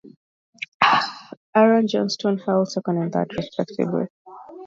Maciek Szczepaniak and Aaron Johnston held second and third respectively.